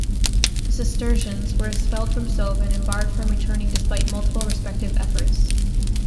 The Cistercians were expelled from Sovin, and barred from returning despite multiple respective efforts.